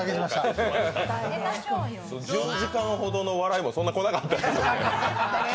１２時間ほどの笑いもそんなこなかった、